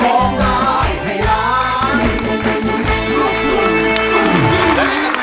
สวัสดีค่ะ